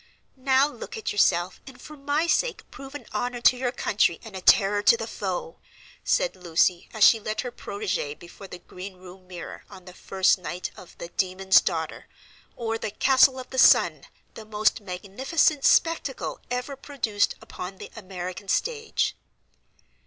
"Now, look at yourself, and, for my sake, prove an honor to your country and a terror to the foe," said Lucy, as she led her protégée before the green room mirror on the first night of "The Demon's Daughter, or The Castle of the Sun!! The most Magnificent Spectacle ever produced upon the American Stage!!!"